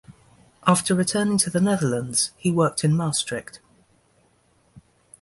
After returning to the Netherlands, he worked in Maastricht.